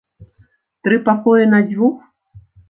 Тры пакоі на дзвюх?